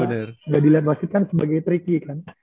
kasar gak diliat wasit kan sebagai tricky kan